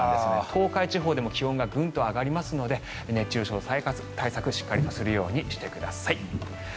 東海地方でも気温がぐんと上がりますので熱中症対策、しっかりとするようにしてください。